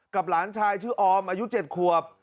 หลานชายชื่อออมอายุ๗ขวบ